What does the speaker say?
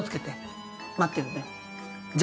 待ってるねじゃ！